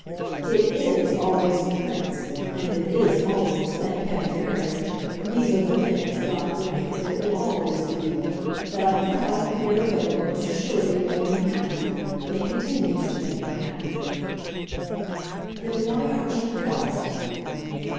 "It IS always the Prince; and it IS always, thank heaven, marriage. And these are the things, God grant, that it will always be. That I could help, a year ago, most assuredly made me happy, and it continues to make me happy." "Then why aren't you quiet?"